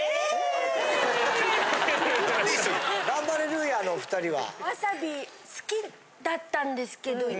ガンバレルーヤのお２人は？